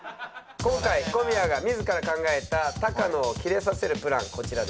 今回小宮が自ら考えた高野をキレさせるプランこちらです。